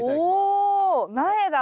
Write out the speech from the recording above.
お苗だ！